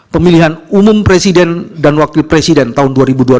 pemilihan umum presiden dan wakil presiden tahun dua ribu dua puluh